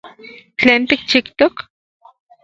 ¿Tlen tikchijtok?